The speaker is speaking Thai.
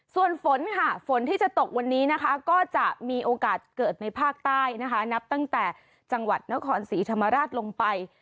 ส่วนฝนค่ะฝนที่จะตกวันนี้นะคะก็จะมีโอกาสเกิดในภาคใต้นะคะนับตั้งแต่จังหวัดนครศรีธรรมราชลงไป